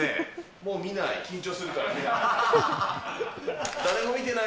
もう見ない、緊張するから見ない。